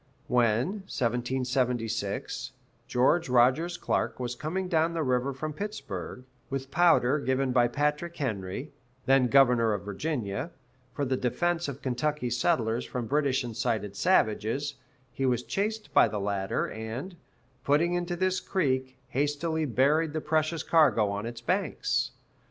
When (1776) George Rogers Clark was coming down the river from Pittsburg, with powder given by Patrick Henry, then governor of Virginia, for the defence of Kentucky settlers from British incited savages, he was chased by the latter, and, putting into this creek, hastily buried the precious cargo on its banks.